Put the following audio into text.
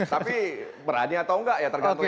tapi berani atau enggak ya tergantung